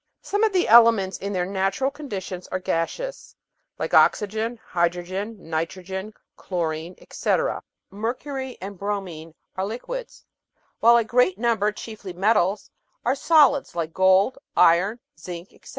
Some of the elements in their natural conditions are gaseous, like oxygen, hydrogen, nitrogen, chlorine, etc.; mercury and The Romance of Chemistry 719 bromine are liquids; while a great number, chiefly metals, are solids, like gold, iron, zinc, etc.